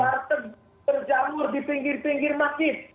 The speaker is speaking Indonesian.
harus berjamur di pinggir pinggir masjid